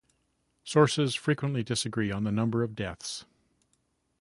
Sources frequently disagree on the number of deaths.